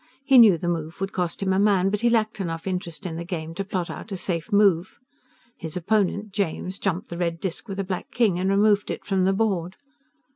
He knew the move would cost him a man, but he lacked enough interest in the game to plot out a safe move. His opponent, James, jumped the red disk with a black king and removed it from the board.